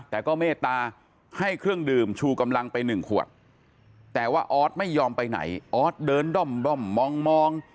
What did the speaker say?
แต่ก็เมตตาให้เครื่องดื่มชูกำลังไป๑ขวดแต่ว่าออสไม่ยอมไปไหนออสเดินด้อมมอง